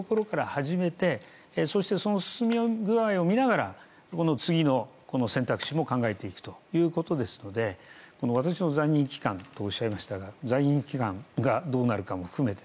そして、その進み具合を見て次の選択肢も考えていくということですので私の在任期間とおっしゃいましたが在任期間がどうなるかも含めて